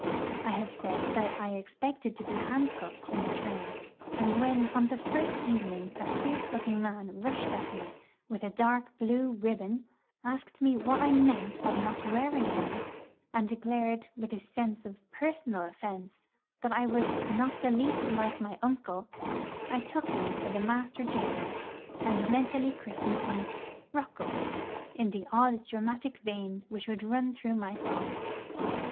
I have said that I expected to be handcuffed in the train; and when on the first evening a fierce looking man rushed at me with a dark blue ribbon, asked me what I meant by not wearing one, and declared, with a sense of personal offence, that I was 'not the least like my uncle,' I took him for the master gaoler, and mentally christened him, 'Rocco,' in the odd dramatic vein which would run through my thoughts.